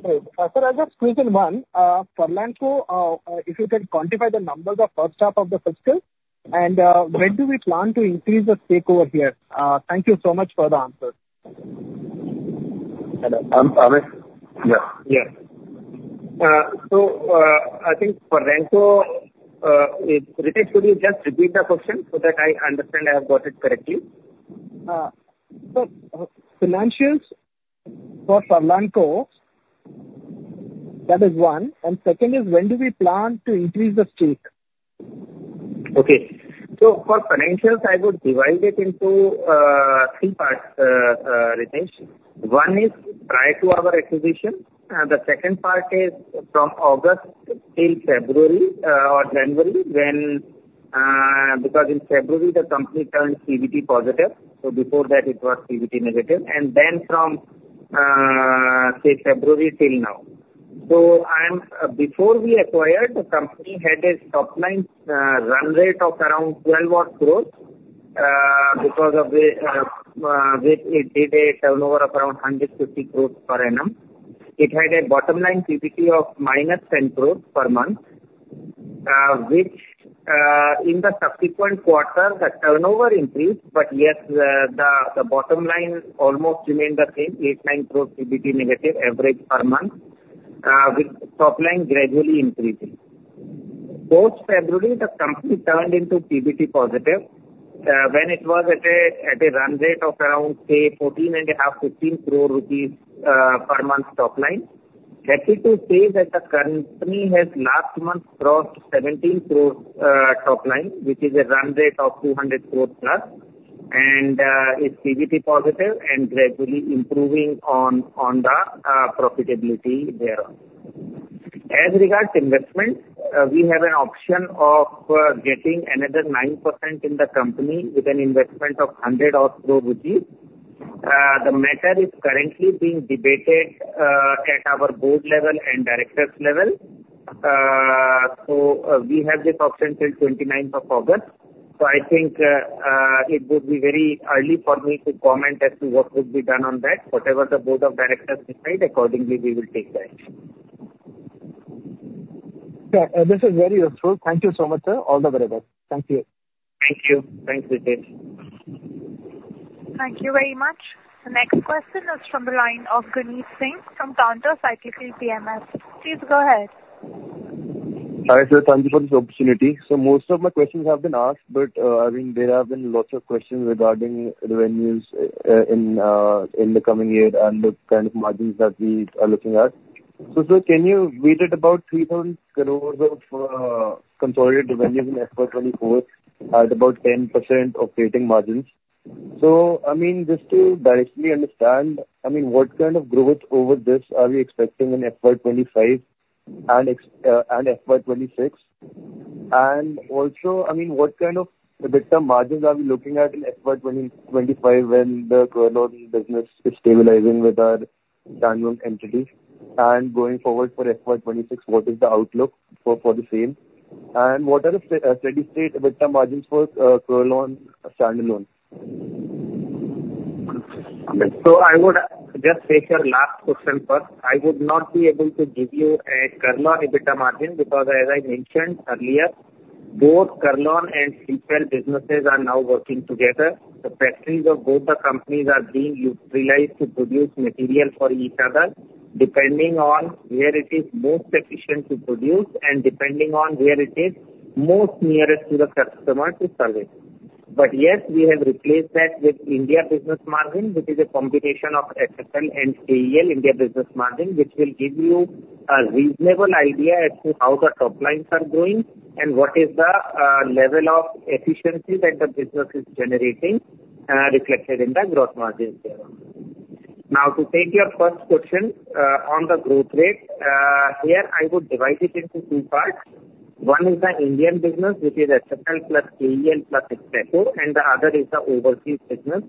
Right. Sir, I'll just quickly one. Kurlon, so, if you could quantify the numbers of first half of the fiscal and, when do we plan to increase the stake over here? Thank you so much for the answers. Hello. I'm Amit. Yeah. Yes. So, I think Kurlon, so, Ritesh, could you just repeat the question so that I understand I have got it correctly? Sir, financials for Kurlon, so, that is one. And second is, when do we plan to increase the stake? Okay. So for financials, I would divide it into three parts, Ritesh. One is prior to our acquisition. The second part is from August till February, or January when, because in February, the company turned PBT positive. So before that, it was PBT negative. And then from, say, February till now. So, before we acquired, the company had a top line run rate of around 12-odd crores, because of the, which it did a turnover of around 150 crores per annum. It had a bottom line PBT of minus 10 crores per month, which, in the subsequent quarter, the turnover increased. But yes, the bottom line almost remained the same, 8-9 crores PBT negative average per month, with top line gradually increasing. Post-February, the company turned into PBT positive, when it was at a run rate of around, say, 14.5-15 crore rupees per month topline. Happy to say that the company has last month crossed 17 crore topline, which is a run rate of 200 crore+. It's PBT positive and gradually improving on the profitability thereof. As regards to investment, we have an option of getting another 9% in the company with an investment of 100-odd crore rupees. The matter is currently being debated at our board level and directors level. So, we have this option till 29th of August. So I think it would be very early for me to comment as to what would be done on that. Whatever the board of directors decide, accordingly, we will take that. Sure. This is very useful. Thank you so much, sir. All the very best. Thank you. Thank you. Thanks, Ritesh. Thank you very much. The next question is from the line of Guneet Singh from Counter Cyclical PMS. Please go ahead. Hi, sir. Thank you for this opportunity. So most of my questions have been asked, but, I mean, there have been lots of questions regarding revenues in the coming year and the kind of margins that we are looking at. So, sir, we did about 3,000 crore of consolidated revenues in FY 2024 at about 10% operating margins. So, I mean, just to directly understand, I mean, what kind of growth over this are we expecting in FY 2025 and FY 2026? And also, I mean, what kind of EBITDA margins are we looking at in FY 2025 when the Kurlon business is stabilizing with our standalone entity? And going forward for FY 2026, what is the outlook for the same? And what are the steady-state EBITDA margins for Kurlon standalone? Okay. So I would just take your last question first. I would not be able to give you a Kurlon EBITDA margin because, as I mentioned earlier, both Kurlon and Sleepwell businesses are now working together. The factories of both the companies are being utilized to produce material for each other, depending on where it is most efficient to produce and depending on where it is most nearest to the customer to service. But yes, we have replaced that with India business margin, which is a combination of SFL and KEL, India business margin, which will give you a reasonable idea as to how the toplines are growing and what is the level of efficiency that the business is generating, reflected in the gross margins thereof. Now, to take your first question, on the growth rate, here, I would divide it into two parts. One is the Indian business, which is SSL plus AEL plus SSO, and the other is the overseas business.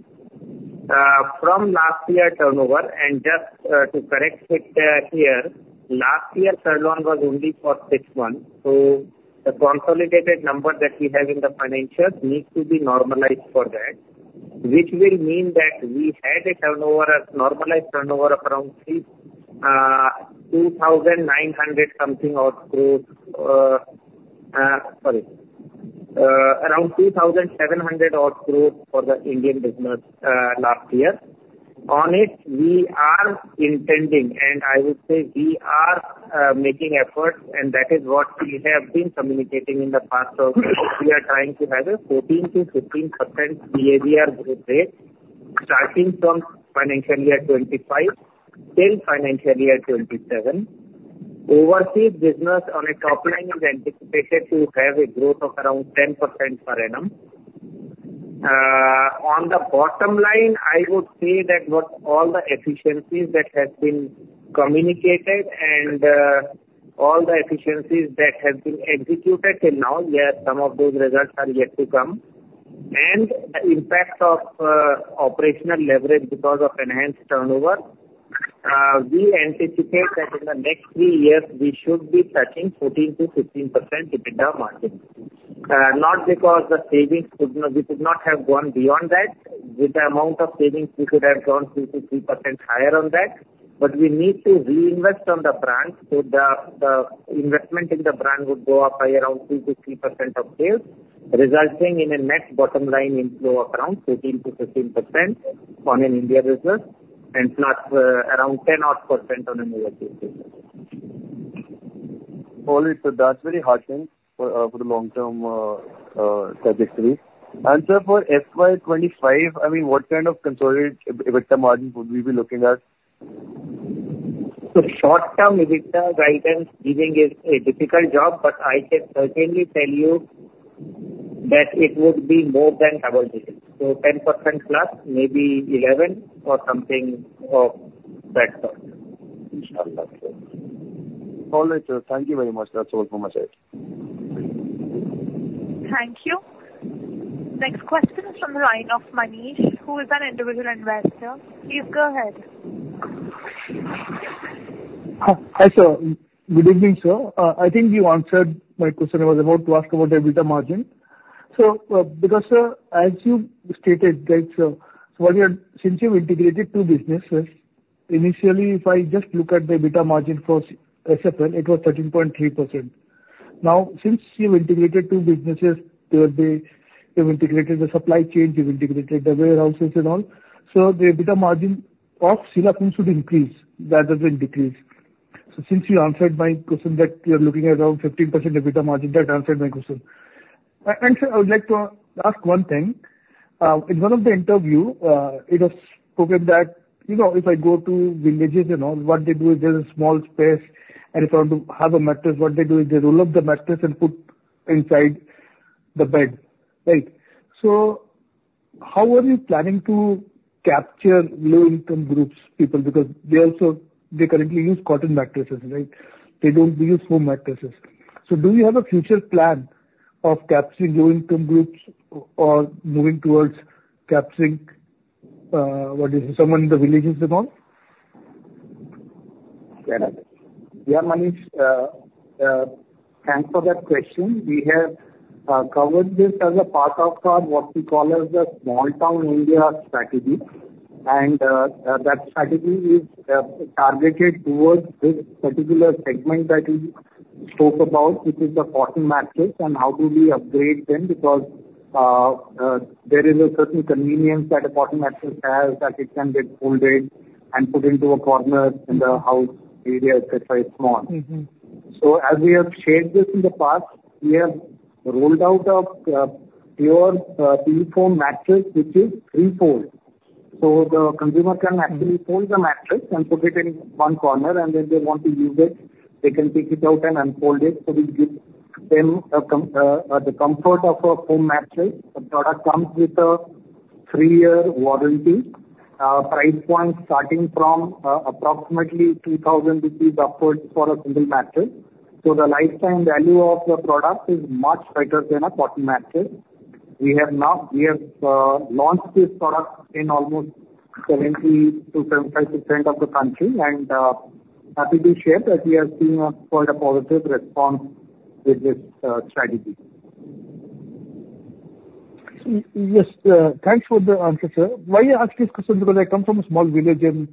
From last year turnover, and just, to correct it, here, last year, Kurlon was only for six months. So the consolidated number that we have in the financials needs to be normalized for that, which will mean that we had a turnover a normalized turnover of around 3,000, INR 2,900-something-odd crores, sorry, around 2,700-odd crores for the Indian business, last year. On it, we are intending and I would say we are, making efforts, and that is what we have been communicating in the past also. We are trying to have a 14%-15% CAGR growth rate starting from financial year 2025 till financial year 2027. Overseas business on a topline is anticipated to have a growth of around 10% per annum. On the bottom line, I would say that what all the efficiencies that have been communicated and, all the efficiencies that have been executed till now, yes, some of those results are yet to come. And the impact of, operational leverage because of enhanced turnover, we anticipate that in the next three years, we should be touching 14%-15% EBITDA margin. Not because the savings could not we could not have gone beyond that. With the amount of savings, we could have gone 2%-3% higher on that. But we need to reinvest on the brand, so the investment in the brand would go up by around 2%-3% of sales, resulting in a net bottom line inflow of around 14%-15% on an India business and plus, around 10%-odd on an overseas business. All right. So that's very heartening for, for the long-term, trajectory. And sir, for FY 2025, I mean, what kind of consolidated EBITDA margin would we be looking at? So short-term EBITDA guidance giving is a difficult job, but I can certainly tell you that it would be more than double digits. So 10%+, maybe 11 or something of that sort. Inshallah, sir. All right, sir. Thank you very much. That's all from my side. Thank you. Next question is from the line of Manish, who is an individual investor. Please go ahead. Hi, sir. Good evening, sir. I think you answered my question. I was about to ask about the EBITDA margin. So, because, sir, as you stated, right, sir, so while you're since you've integrated two businesses, initially, if I just look at the EBITDA margin for SSL, it was 13.3%. Now, since you've integrated two businesses, there will be you've integrated the supply chain. You've integrated the warehouses and all. So the EBITDA margin of Sheela Foam should increase rather than decrease. So since you answered my question that you're looking at around 15% EBITDA margin, that answered my question. And, and, sir, I would like to ask one thing. In one of the interview, it was spoken that, you know, if I go to villages and all, what they do is there's a small space. If I want to have a mattress, what they do is they roll up the mattress and put inside the bed, right? So how are you planning to capture low-income groups, people? Because they also currently use cotton mattresses, right? They don't use foam mattresses. So do you have a future plan of capturing low-income groups or moving towards capturing, what is it, someone in the villages and all? Yeah, yeah, Manish. Thanks for that question. We have covered this as a part of what we call the small-town India strategy. And that strategy is targeted towards this particular segment that you spoke about, which is the cotton mattress. And how do we upgrade them? Because there is a certain convenience that a cotton mattress has that it can get folded and put into a corner in the house area, etc., it's small. So as we have shared this in the past, we have rolled out a pure PU foam mattress, which is three-fold. So the consumer can actually fold the mattress and put it in one corner, and then they want to use it, they can take it out and unfold it. So we give them the comfort of a foam mattress. The product comes with a 3-year warranty, price point starting from approximately 2,000 rupees upwards for a single mattress. So the lifetime value of the product is much better than a cotton mattress. We have now launched this product in almost 70%-75% of the country. And happy to share that we are seeing quite a positive response with this strategy. Yes, thanks for the answer, sir. Why you ask this question? Because I come from a small village in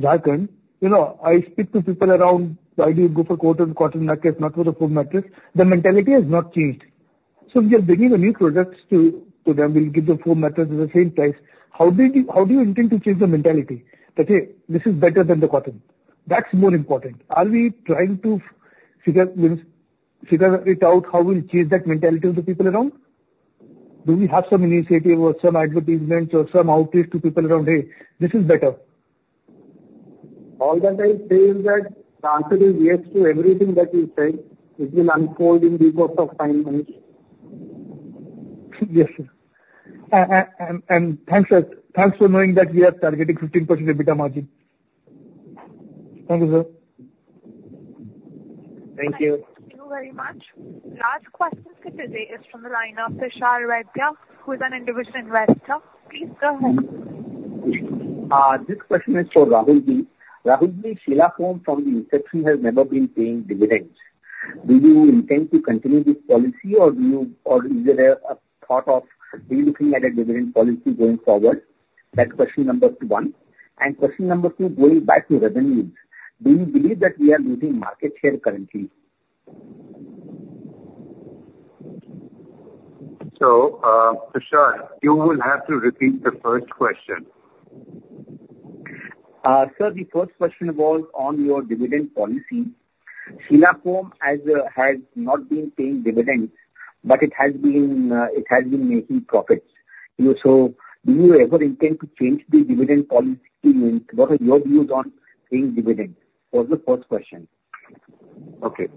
Jharkhand. You know, I speak to people around, "Why do you go for cotton, cotton mattress, not for the foam mattress?" The mentality has not changed. So we are bringing the new products to them. We'll give the foam mattress at the same price. How do you intend to change the mentality that, "Hey, this is better than the cotton"? That's more important. Are we trying to figure it out how we'll change that mentality of the people around? Do we have some initiative or some advertisements or some outreach to people around, "Hey, this is better"? All that I say is that the answer is yes to everything that you said. It will unfold in the course of time, Manish. Yes, sir. And thanks, sir. Thanks for knowing that we are targeting 15% EBITDA margin. Thank you, sir. Thank you. Thank you very much. Last question for today is from the line of Prasad Vaidya, who is an individual investor. Please go ahead. This question is for Rahul ji. Rahul ji, Sheela Foam from the inception has never been paying dividends. Do you intend to continue this policy, or do you or is there a, a thought of are you looking at a dividend policy going forward? That's question number one. And question number two, going back to revenues, do you believe that we are losing market share currently? Prasad, you will have to repeat the first question. Sir, the first question was on your dividend policy. Sheela Foam has not been paying dividends, but it has been making profits. So do you ever intend to change the dividend policy or what are your views on paying dividends? That was the first question. Okay.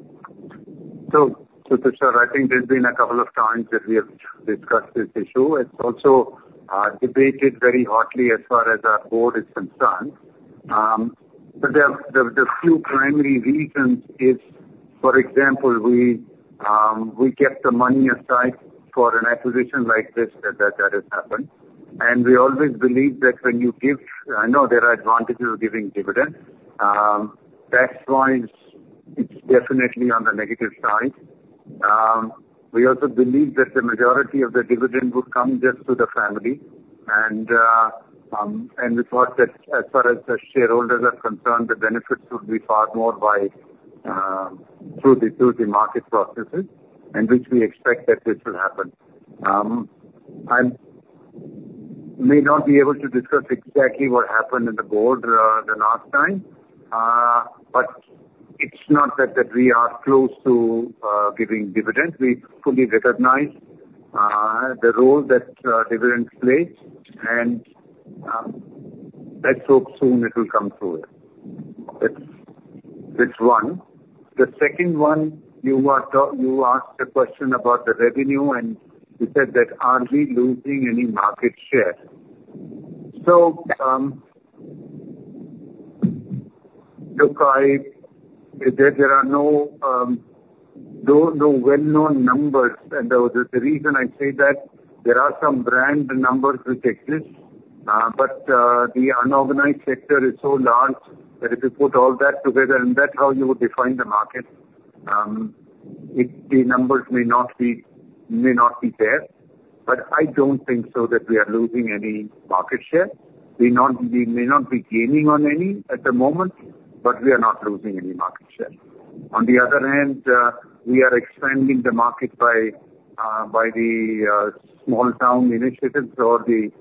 So, Prasad, I think there's been a couple of times that we have discussed this issue. It's also debated very hotly as far as our board is concerned. But the few primary reasons is, for example, we kept the money aside for an acquisition like this that has happened. And we always believe that when you give. I know there are advantages of giving dividends. Tax-wise, it's definitely on the negative side. We also believe that the majority of the dividend would come just to the family. And we thought that as far as the shareholders are concerned, the benefits would be far more by through the market processes, in which we expect that this will happen. I may not be able to discuss exactly what happened in the board the last time, but it's not that we are close to giving dividends. We fully recognize the role that dividends play. Let's hope soon it will come through. That's one. The second one, you were you asked a question about the revenue, and you said that, "Are we losing any market share?" So, look, there are no well-known numbers. And the reason I say that, there are some brand numbers which exist, but the unorganized sector is so large that if you put all that together and that's how you would define the market, the numbers may not be there. But I don't think so that we are losing any market share. We may not be gaining on any at the moment, but we are not losing any market share. On the other hand, we are expanding the market by the small-town initiatives or the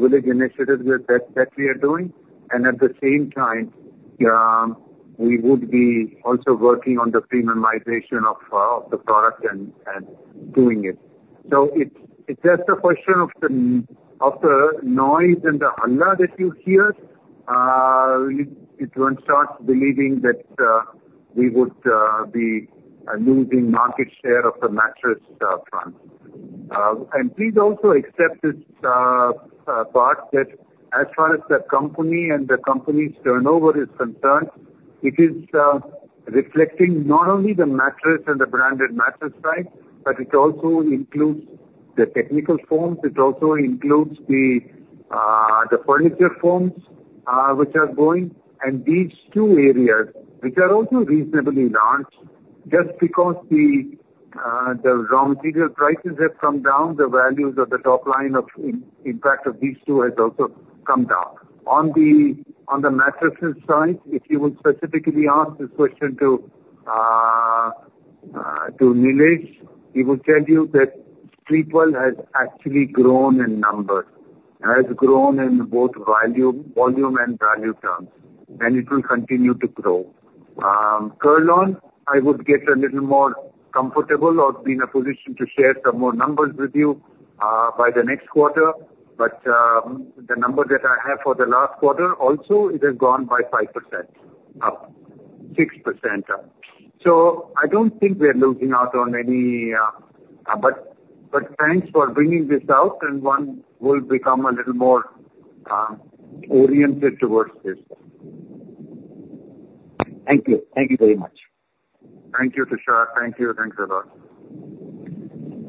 village initiatives that we are doing. And at the same time, we would be also working on the premiumization of the product and doing it. So it's just a question of the noise and the hulla that you hear. You, it won't start believing that we would be losing market share on the mattress front. And please also accept this part that as far as the company and the company's turnover is concerned, it is reflecting not only the mattress and the branded mattress part, but it also includes the technical foam. It also includes the furniture foam, which are going. These two areas, which are also reasonably large, just because the, the raw material prices have come down, the values of the topline impact of these two has also come down. On the mattresses side, if you would specifically ask this question to, to Nilesh, he will tell you that three-fold has actually grown in numbers, has grown in both value volume and value terms, and it will continue to grow. Kurlon, I would get a little more comfortable or be in a position to share some more numbers with you, by the next quarter. The number that I have for the last quarter, also, it has gone by 5%-6% up. I don't think we are losing out on any, but thanks for bringing this out. One will become a little more oriented towards this. Thank you. Thank you very much. Thank you, Prasad. Thank you. Thanks a lot.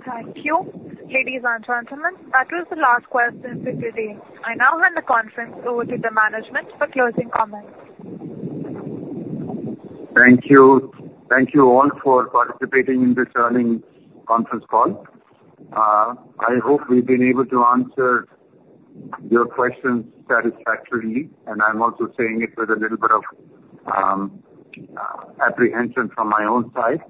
Thank you, ladies and gentlemen. That was the last question for today. I now hand the conference over to the management for closing comments. Thank you. Thank you all for participating in this earnings conference call. I hope we've been able to answer your questions satisfactorily. I'm also saying it with a little bit of apprehension from my own side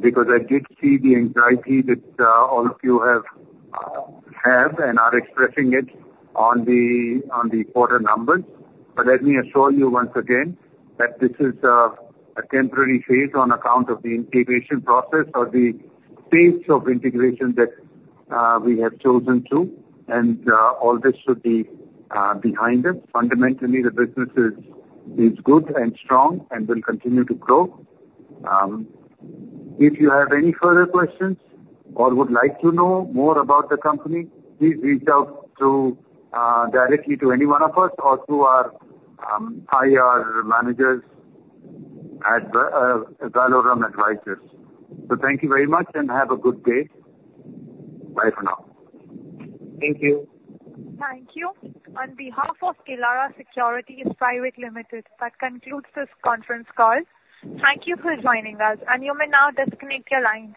because I did see the anxiety that all of you have and are expressing it on the quarter numbers. But let me assure you once again that this is a temporary phase on account of the integration process or the phase of integration that we have chosen to. All this should be behind us. Fundamentally, the business is good and strong and will continue to grow. If you have any further questions or would like to know more about the company, please reach out directly to any one of us or through our IR managers at Valorem Advisors. Thank you very much, and have a good day. Bye for now. Thank you. Thank you. On behalf of Elara Securities Private Limited, that concludes this conference call. Thank you for joining us. You may now disconnect your line.